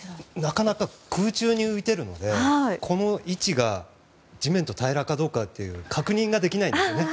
なかなか空中に浮いているのでこの位置が地面と平らかどうかという確認ができないんですよ